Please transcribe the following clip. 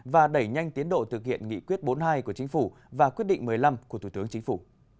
và đẩy nhanh tiến độ thực hiện nghị quyết bốn mươi hai của chính phủ và quyết định một mươi năm của thủ tướng chính phủ